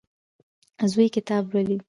زوی کتاب لولي.